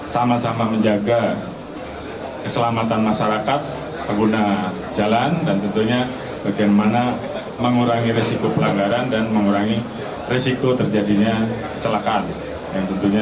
sama sama menjaga keselamatan masyarakat pengguna jalan dan tentunya bagaimana mengurangi resiko pelanggaran dan mengurangi risiko terjadinya kecelakaan